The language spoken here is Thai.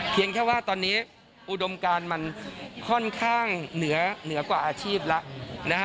แค่ว่าตอนนี้อุดมการมันค่อนข้างเหนือกว่าอาชีพแล้วนะฮะ